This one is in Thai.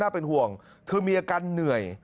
เป็นห่วงเธอมีอาการเหนื่อย